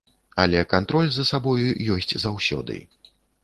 Але кантроль за сабою ёсць заўсёды.